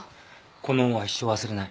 この恩は一生忘れない。